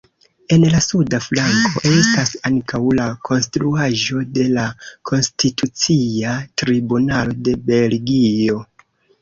En la suda flanko estas ankaŭ la konstruaĵo de la Konstitucia Tribunalo de Belgio.